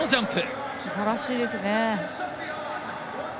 すばらしいですね。